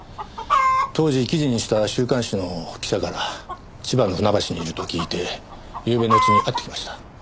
当時記事にした週刊誌の記者から千葉の船橋にいると聞いてゆうべのうちに会ってきました。